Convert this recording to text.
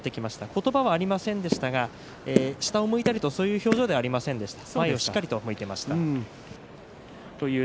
言葉がありませんでしたが下を向いたりという表情ではありませんでした。